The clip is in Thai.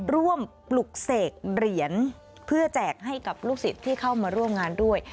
ปลุกเสกเหรียญเพื่อแจกให้กับลูกศิษย์ที่เข้ามาร่วมงานด้วย